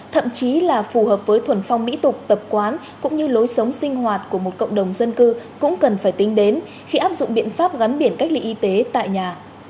thậm chí là phù hợp với thuần phong mỹ tục tập quán cũng như lối sống sinh hoạt của một cộng đồng dân cư cũng cần phải tính đến khi áp dụng biện pháp gắn biển cách ly y tế tại nhà